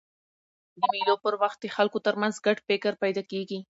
د مېلو پر وخت د خلکو ترمنځ ګډ فکر پیدا کېږي.